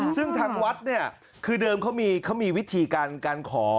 ซึ่งทางวัดคือเดิมเขามีวิธีการขอ